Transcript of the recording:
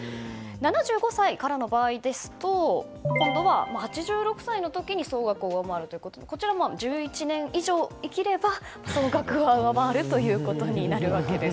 ７５歳からの場合ですと今度は、８６歳の時に総額を上回るということでこちらも１１年以上生きれば総額は上回ることになるわけです。